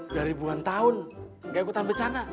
dari bulan tahun gak ikutan bercanda